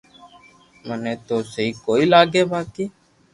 منو تو سھي ڪوئي لاگي بائي